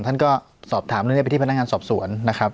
ท่านก็สอบถามเรื่องนี้ไปที่พนักงานสอบสวนนะครับ